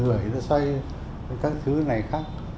rồi nhân dân không cho điền rockefeller merchandise